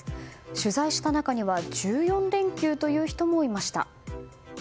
取材した中には１４連休という人もいました。